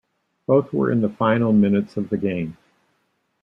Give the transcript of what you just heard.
Both were in the final minutes of the games.